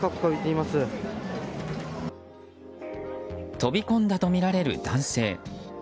飛び込んだとみられる男性。